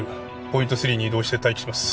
ポイント３に移動して待機します。